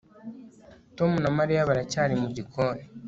Tom na Mariya baracyari mu gikoni